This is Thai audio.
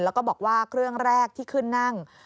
แล้วก็บอกว่าเครื่องแรกที่ขึ้นนั่ง